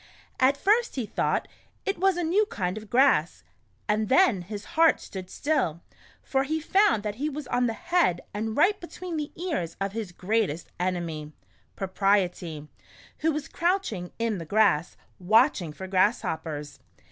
At first he thought 't was a new kind of grass, and then his heart stood still, for he found that he was on the head and right between the ears of his greatest enemy — Propriety, who was crouching in the grass, watching for grass hoppers